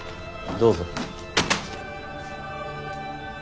どうぞ。